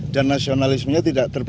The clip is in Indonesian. dan nasionalismenya tidak terbatas